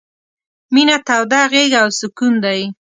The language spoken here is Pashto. — مينه توده غېږه او سکون دی...